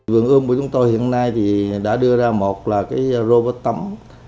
vườn ươm của chúng tôi hiện nay thì đã đưa ra một là cái robot tắm